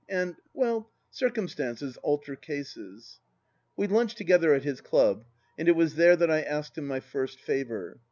And — ^well, circumstances alter cases. ... We lunched together at his club, and it was there that I asked him my first favour.